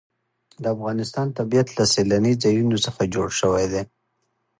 د افغانستان طبیعت له سیلانی ځایونه څخه جوړ شوی دی.